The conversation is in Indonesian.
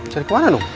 cari kemana dong